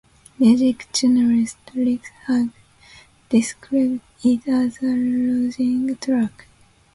Music journalist Erik Hage describes it as "a rousing track".